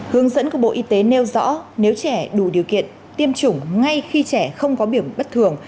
hướng dẫn của bộ y tế nêu rõ nếu trẻ đủ điều kiện tiêm chủng ngay khi trẻ không có biểu bất thường